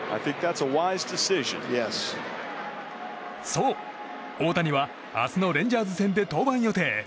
そう、大谷は明日のレンジャーズ戦で登板予定。